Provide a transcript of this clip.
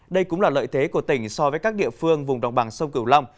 đây cũng là lợi thế của tỉnh so với các địa phương vùng đồng bằng sông cửu long